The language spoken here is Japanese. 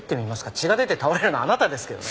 血が出て倒れるのはあなたですけどね。